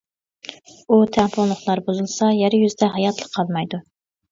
ئۇ تەڭپۇڭلۇقلار بۇزۇلسا يەر يۈزىدە ھاياتلىق قالمايدۇ.